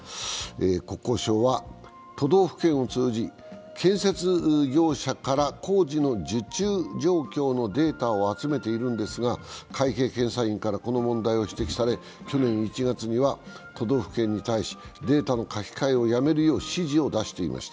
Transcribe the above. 国交省は都道府県を通じ、建設業者から工事の受注状況のデータを集めているんですが会計検査院からこの問題を指摘され、去年１月には都道府県に対してデータの書き換えをやめるよう支持を出していました。